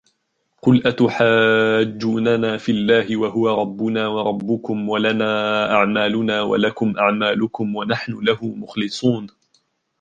قُلْ أَتُحَاجُّونَنَا فِي اللَّهِ وَهُوَ رَبُّنَا وَرَبُّكُمْ وَلَنَا أَعْمَالُنَا وَلَكُمْ أَعْمَالُكُمْ وَنَحْنُ لَهُ مُخْلِصُونَ